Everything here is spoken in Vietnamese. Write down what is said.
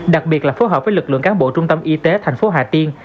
đặc biệt là phối hợp với lực lượng cán bộ trung tâm y tế thành phố hà tiên